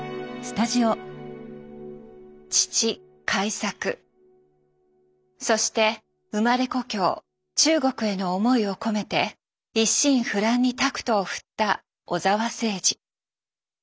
父開作そして生まれ故郷中国への思いを込めて一心不乱にタクトを振った小澤征爾。